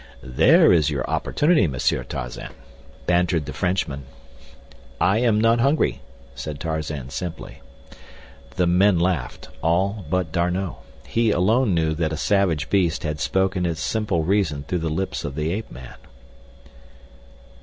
"There is your opportunity, Monsieur Tarzan," bantered the Frenchman. "I am not hungry," said Tarzan simply. The men laughed, all but D'Arnot. He alone knew that a savage beast had spoken its simple reason through the lips of the ape man.